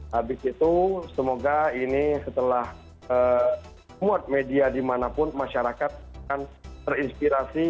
habis itu semoga ini setelah muat media dimanapun masyarakat akan terinspirasi